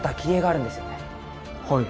はい。